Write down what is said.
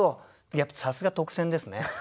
やっぱさすが特選ですね。